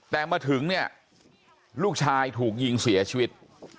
แต่มาถึงเนี่ยลูกชายถูกยิงเสียชีวิต